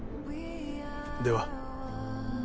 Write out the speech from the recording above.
では。